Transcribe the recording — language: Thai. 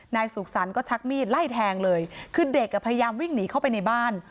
นายสุขสรรค์ก็ชักมีดไล่แทงเลยคือเด็กอ่ะพยายามวิ่งหนีเข้าไปในบ้าน